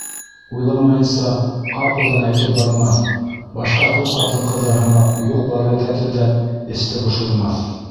Уйламайынса, ҡапылдан әйтеп бармаҫ, башҡа күп ҡатын-ҡыҙҙар һымаҡ, юҡ-барҙы тәтелдәп, эсте бошормаҫ.